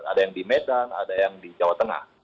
ada yang di medan ada yang di jawa tengah